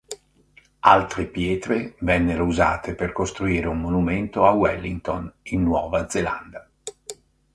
Altre pietre vennero usate per costruire un monumento a Wellington in Nuova Zelanda.